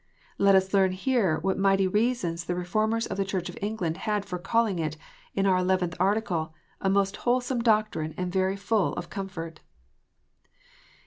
Let us learn here what mighty reasons the Reformers of the Church of England had for calling it, in our Eleventh Article, " a most wholesome doctrine and very full of comfort."